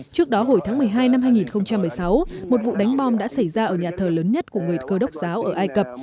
trước đó hồi tháng một mươi hai năm hai nghìn một mươi sáu một vụ đánh bom đã xảy ra ở nhà thờ lớn nhất của người cơ đốc giáo ở ai cập